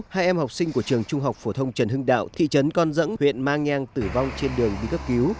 hai em học sinh của trường trung học phổ thông trần hưng đạo thị trấn con dẫng huyện mang nhang tử vong trên đường đi cấp cứu